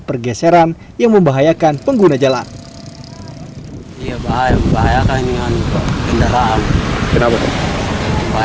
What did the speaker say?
pergeseran yang membahayakan pengguna jalan ya bahaya membahayakan dengan kendaraan kenapa